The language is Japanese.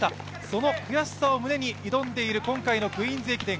その悔しさを胸に挑んでいる今回のクイーンズ駅伝。